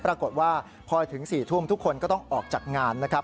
ปรากฏว่าพอถึง๔ทุ่มทุกคนก็ต้องออกจากงานนะครับ